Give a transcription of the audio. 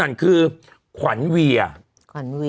นี่แต่ไปดูว่าคุณเอกขวัญกลับช่องเจ็ด